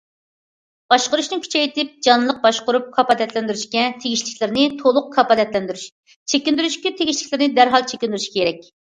باشقۇرۇشنى كۈچەيتىپ، جانلىق باشقۇرۇپ، كاپالەتلەندۈرۈشكە تېگىشلىكلىرىنى تولۇق كاپالەتلەندۈرۈش، چېكىندۈرۈشكە تېگىشلىكلىرىنى دەرھال چېكىندۈرۈش كېرەك.